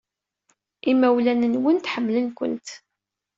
Imawlan-nwent ḥemmlen-kent.